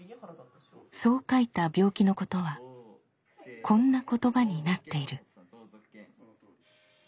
そう書いた病気のことはこんな言葉になっている。